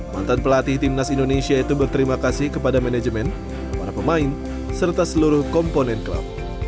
mantan pelatih timnas indonesia itu berterima kasih kepada manajemen para pemain serta seluruh komponen klub